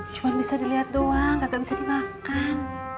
cuma bisa dilihat doang gak bisa dimakan